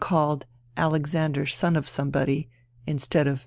called Alexander son of Somebody, inst 6a<i of Mj